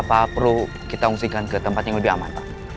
pak perlu kita unsurkan ke tempat yang lebih aman